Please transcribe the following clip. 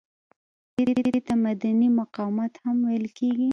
دې ته مدني مقاومت هم ویل کیږي.